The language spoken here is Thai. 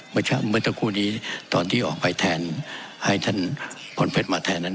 เมื่อสักครู่นี้ตอนที่ออกไปแทนให้ท่านพรเพชรมาแทนนั้น